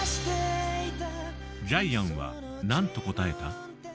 ジャイアンはなんと答えた？